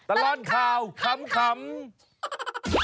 ตลอดข่าวขำ